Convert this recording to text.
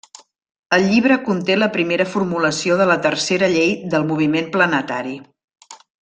El llibre conté la primera formulació de la tercera llei del moviment planetari.